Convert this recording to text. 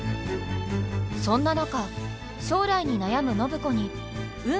そんな中将来に悩む暢子に何？